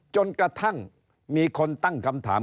จนกระทั่งมีคนตั้งคำถาม